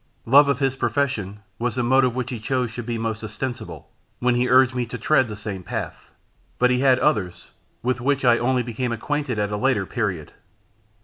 Love of his profession was the motive which he chose should be most ostensible, when he urged me to tread the same path; but he had others with which I only became acquainted at a later period.